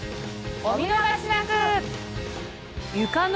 お見逃しなく！